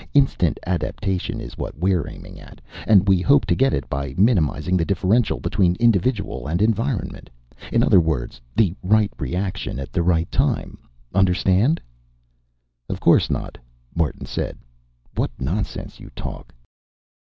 Instant adaptation is what we're aiming at, and we hope to get it by minimizing the differential between individual and environment. In other words, the right reaction at the right time. Understand?" "Of course not," Martin said. "What nonsense you talk."